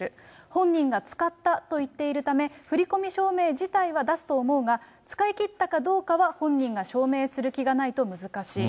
本人が使ったと言っているため、振込証明自体は出すと思うが、使い切ったかどうかは本人が証明する気がないと、難しい。